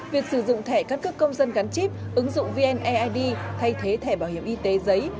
việc sử dụng thẻ căn cước công dân gắn chip ứng dụng vneid thay thế thẻ bảo hiểm y tế giấy